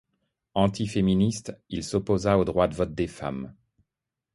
Antiféministe, il s'opposa au droit de vote des femmes.